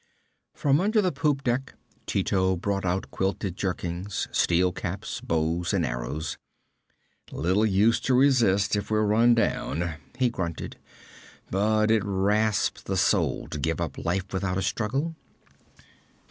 From under the poop deck Tito brought out quilted jerkins, steel caps, bows and arrows. 'Little use to resist if we're run down,' he grunted. 'But it rasps the soul to give up life without a struggle.'